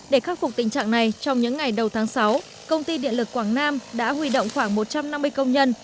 để khắc phục tình trạng này trong những ngày đầu tháng sáu công ty điện lực quảng nam đã huy động khoảng một trăm năm mươi công nhân